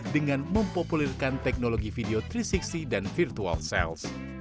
dengan mempopulirkan teknologi video tiga ratus enam puluh dan virtual sales